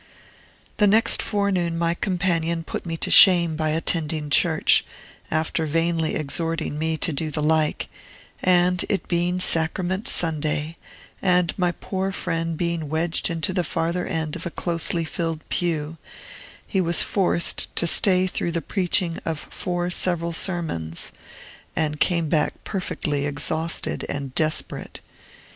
The next forenoon my companion put me to shame by attending church, after vainly exhorting me to do the like; and, it being Sacrament Sunday, and my poor friend being wedged into the farther end of a closely filled pew, he was forced to stay through the preaching of four several sermons, and came back perfectly exhausted and desperate.